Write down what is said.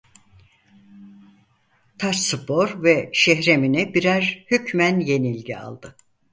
Taçspor ve Şehremini birer hükmen yenilgi aldı.